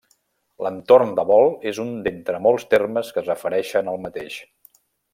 L'entorn de vol és un d'entre molts termes que es refereixen al mateix.